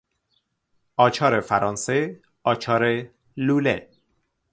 آچار فرانسه، آچار لوله